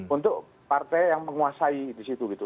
untuk partai yang menguasai disitu gitu